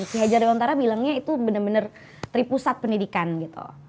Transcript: si hajar dewantara bilangnya itu bener bener tripusat pendidikan gitu